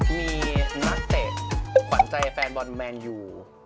มีนักเตะขวัญใจแฟนบอลแมนยู